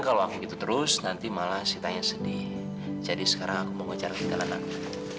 kalau aku gitu terus nanti malah si tanya sedih jadi sekarang aku mau ngejar ketinggalan aku